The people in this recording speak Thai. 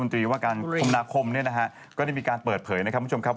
รุมนตรีว่าการคมนาคมก็ได้มีการเปิดเผยนะครับ